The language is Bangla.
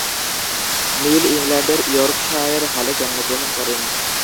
মিল ইংল্যান্ডের ইয়র্কশায়ারের হালে জন্মগ্রহণ করেন।